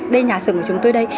đây nhà sửa của chúng tôi đây